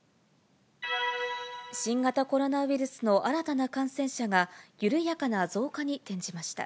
新型コロナウイルスの新たな感染者が緩やかな増加に転じました。